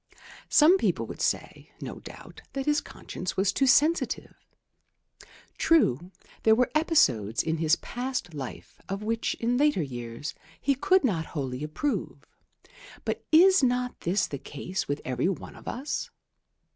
Some people would say, no doubt, that his conscience was too sensitive. True, there were episodes in his past life of which in later years he could not wholly approve; but is not this the case with every one of us?